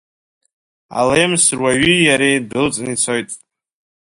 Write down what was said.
Алемс руаҩи иареи дәылҵны ицоит.